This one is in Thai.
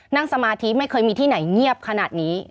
สมาธิไม่เคยมีที่ไหนเงียบขนาดนี้